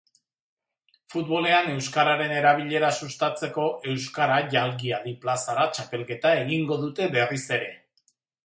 Futbolean euskararen erabilera sustatzeko 'Euskara, jalgi hadi plazara!' txapelketa egingo dute berriz ere.